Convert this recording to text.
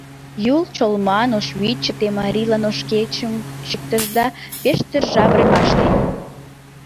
Юл, Чолман, Ошвиче, те Марийлан ош кечым Чӱктышда Пеш торжа времаште.